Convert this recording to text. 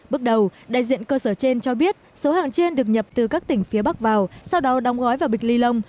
bước đầu đại diện cơ sở trên cho biết số hàng trên được nhập từ các tỉnh phía bắc vào sau đó đong gói vào bịch ly lông